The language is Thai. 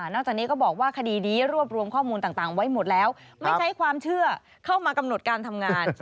จากนี้ก็บอกว่าคดีนี้รวบรวมข้อมูลต่างไว้หมดแล้วไม่ใช้ความเชื่อเข้ามากำหนดการทำงาน